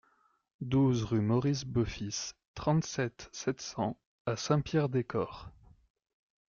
douze rue Maurice Beaufils, trente-sept, sept cents à Saint-Pierre-des-Corps